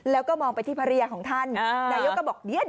แล้วก็มองไปที่ภรรยาของท่านนายกก็บอกเนี่ย